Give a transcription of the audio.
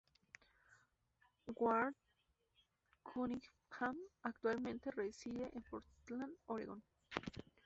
Ward Cunningham actualmente reside en Portland, Oregón.